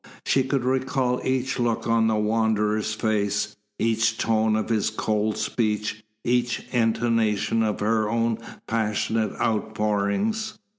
She could recall each look on the Wanderer's face, each tone of his cold speech, each intonation of her own passionate outpourings.